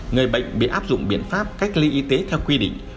người bệnh bị áp dụng biện pháp cách ly y tế theo quy định